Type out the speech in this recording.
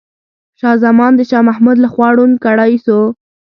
شاه زمان د شاه محمود لخوا ړوند کړاي سو.